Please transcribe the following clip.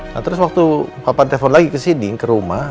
nah terus waktu papa telpon lagi kesini ke rumah